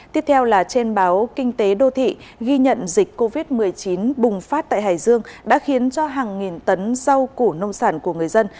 tiếp theo là trên báo kinh tế đô thị ghi nhận dịch covid một mươi chín bùng phát tại hải dương đã khiến cho hàng nghìn tấn rau củ nông sản của người dân